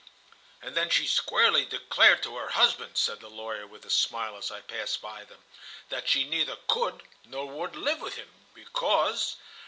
"And then she squarely declared to her husband," said the lawyer with a smile, as I passed by them, "that she neither could nor would live with him, because"